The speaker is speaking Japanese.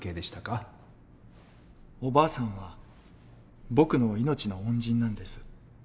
おばあさんは僕の命の恩人なんです。